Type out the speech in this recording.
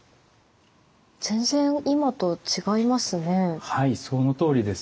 全然はいそのとおりです。